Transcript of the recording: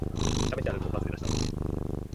Stark was also an accomplished stills photographer.